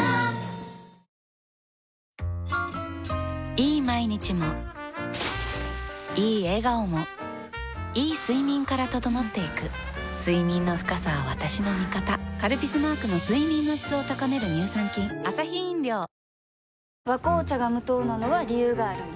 いい毎日もいい笑顔もいい睡眠から整っていく睡眠の深さは私の味方「カルピス」マークの睡眠の質を高める乳酸菌「和紅茶」が無糖なのは、理由があるんよ。